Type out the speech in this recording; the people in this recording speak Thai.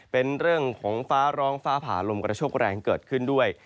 เป็นเรื่องของฟ้าร้องฟ้าผ่าลมกระโชคแรงเกิดขึ้นด้วย